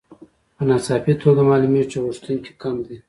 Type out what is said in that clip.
په ناڅاپي توګه معلومېږي چې غوښتونکي کم دي